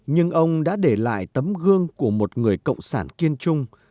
nhưng ông đã để lại tấm gương của một người cộng sản kiên trung